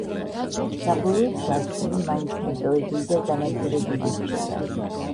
საბოლოოდ ჟასმინი მაინც მიტოვებული და განადგურებული რჩება.